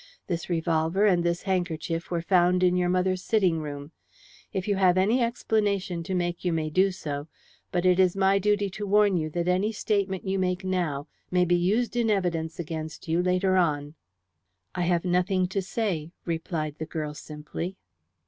"This revolver and this handkerchief were found in your mother's sitting room. If you have any explanation to make you may do so, but it is my duty to warn you that any statement you make now may be used in evidence against you later on." "I have nothing to say," replied the girl simply.